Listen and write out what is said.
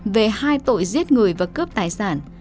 về hai tội giết người và cướp tài sản